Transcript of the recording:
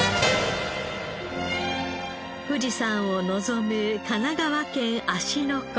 富士山を望む神奈川県芦ノ湖。